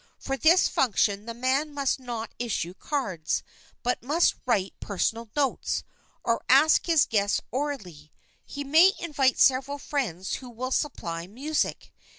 For this function the man must not issue cards, but must write personal notes, or ask his guests orally. He may invite several friends who will supply music.